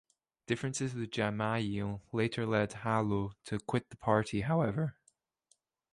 Differences with Gemayel later led Helou to quit the party, however.